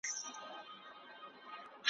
تل یې فکر د کالیو د سیالۍ وو `